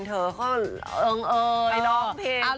เธอเขาเอิงเอ่ยไปร้องเพลง